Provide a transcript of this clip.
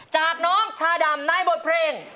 จากน้องชาดำในบทเพลง